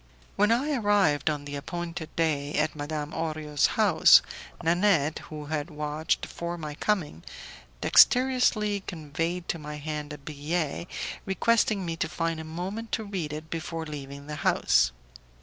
When I arrived, on the appointed day, at Madame Orio's house, Nanette, who had watched for my coming, dexterously conveyed to my hand a billet, requesting me to find a moment to read it before leaving the house.